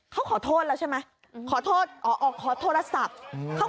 เขาขอโทษแล้วใช่ไหมขอโทษอ๋อออกขอโทรศัพท์